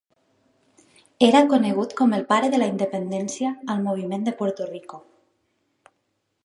Era conegut com el pare de la independència al moviment de Puerto Rico.